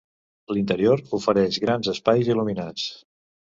L'interior ofereix grans espais il·luminats.